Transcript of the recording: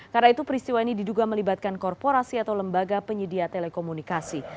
karena itu peristiwa ini diduga melibatkan korporasi atau lembaga penyedia telekomunikasi